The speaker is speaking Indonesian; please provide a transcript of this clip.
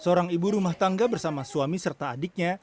seorang ibu rumah tangga bersama suami serta adiknya